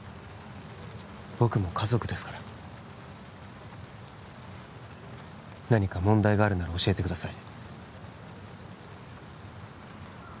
僕も家族ですから何か問題があるなら教えてください